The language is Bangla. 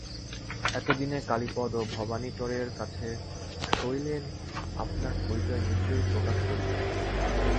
এতদিনে কালীপদ ও ভবানীচরণের কাছে শৈলেন আপনার পরিচয় নিশ্চয় প্রকাশ করিত।